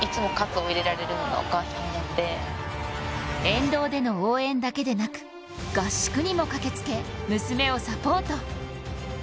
沿道での応援だけでなく合宿にも駆けつけ娘をサポート。